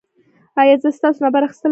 ایا زه ستاسو نمبر اخیستلی شم؟